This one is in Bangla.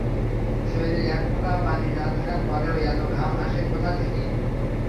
শরীরে এক ফোঁটা পানি না থাকার পরেও এতো ঘাম আসে কোথা থেকে?